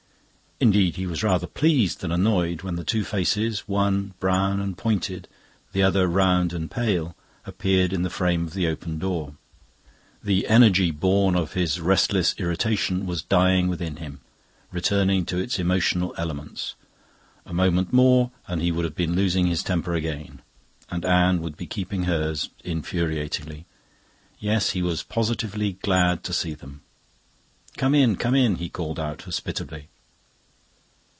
Indeed, he was rather pleased than annoyed when the two faces, one brown and pointed, the other round and pale, appeared in the frame of the open door. The energy born of his restless irritation was dying within him, returning to its emotional elements. A moment more and he would have been losing his temper again and Anne would be keeping hers, infuriatingly. Yes, he was positively glad to see them. "Come in, come in," he called out hospitably.